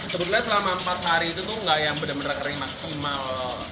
sebenarnya selama empat hari itu tuh gak yang benar benar kering maksimal